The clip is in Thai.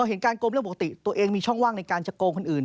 เห็นการโกงเรื่องปกติตัวเองมีช่องว่างในการจะโกงคนอื่น